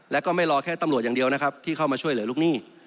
แล้วก็ไม่รอแค่ตำรวจอย่างเดียวนะครับที่เข้ามาช่วยเหลือลูกหนี้